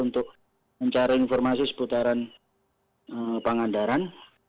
untuk mencari informasi seputaran pangandaran